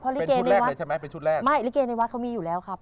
เป็นชุดแรกเลยใช่ไหมเป็นชุดแรกไม่ลิเกในวัดเขามีอยู่แล้วครับ